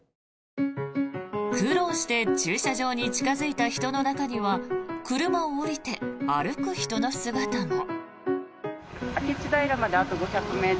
苦労して駐車場に近付いた人の中には車を降りて歩く人の姿も。